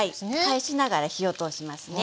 返しながら火を通しますね。